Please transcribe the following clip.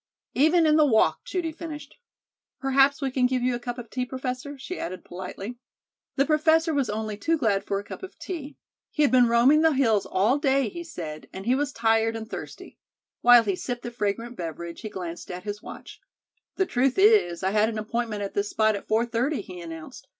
"Even in the walk," Judy finished. "Perhaps we can give you a cup of tea, Professor," she added politely. The Professor was only too glad for a cup of tea. He had been roaming the hills all day, he said, and he was tired and thirsty. While he sipped the fragrant beverage, he glanced at his watch. "The truth is, I had an appointment at this spot at four thirty," he announced.